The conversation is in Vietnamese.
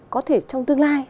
có thể trong tương lai